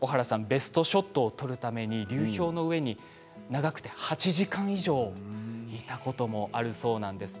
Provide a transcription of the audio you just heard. ベストショットを撮るために流氷の上に長くて８時間以上いたこともあるそうなんです。